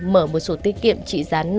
mở một sổ tiết kiệm chỉ gián